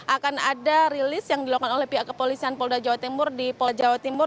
akan ada rilis yang dilakukan oleh pihak kepolisian polda jawa timur di polda jawa timur